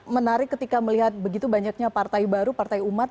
menarik ketika melihat begitu banyaknya partai baru partai umat